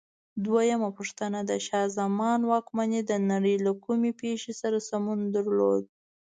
دویمه پوښتنه: د شاه زمان واکمنۍ د نړۍ له کومې پېښې سره سمون درلود؟